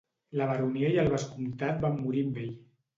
La baronia i el vescomtat van morir amb ell.